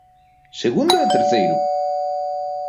Segundo e terceiro.